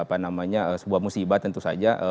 apa namanya sebuah musibah tentu saja